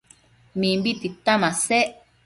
Mimbi tita masec